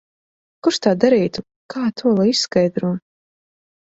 Kurš tā darītu? Kā to lai izskaidro?